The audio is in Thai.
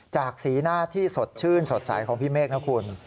สีหน้าที่สดชื่นสดใสของพี่เมฆนะคุณ